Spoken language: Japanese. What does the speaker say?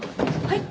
はい。